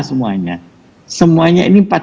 semuanya semuanya ini